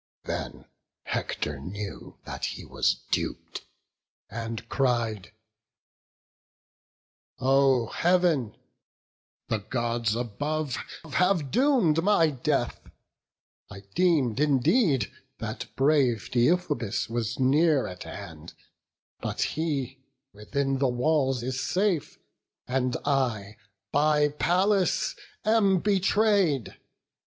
Then Hector knew that he was dup'd, and cried, "Oh Heav'n! the Gods above have doom'd my death! I deem'd indeed that brave Deiphobus Was near at hand; but he within the walls Is safe, and I by Pallas am betray'd.